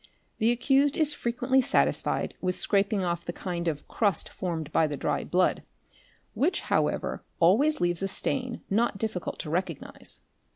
The accused is frequently satisfied with scraping off the kind of crust formed by the dried blood, which however always leaves a stain not difficult to recognise.